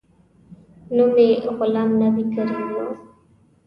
نوم یې غلام نبي کریمي و.